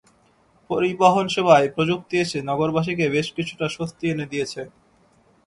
পরিবহনসেবায় প্রযুক্তি এসে নগরবাসীকে বেশ কিছুটা স্বস্তি এনে দিয়েছে।